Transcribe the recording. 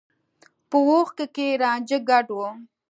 په اوښکو کې يې رانجه ګډ و.